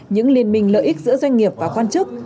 những liên minh lợi ích giữa doanh nghiệp và quan chức